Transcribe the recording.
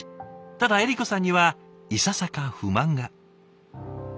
ただ恵利子さんにはいささか不満が。